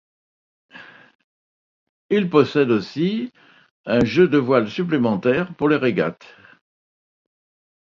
Il possède aussi un jeu de voiles supplémentaires pour les régates.